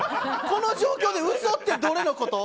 この状況で嘘ってどれのこと？